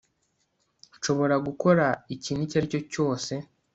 nshobora gukora ikintu icyo ari cyo cyose